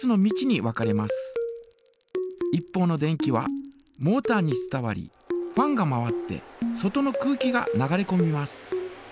一方の電気はモータに伝わりファンが回って外の空気が流れこみます。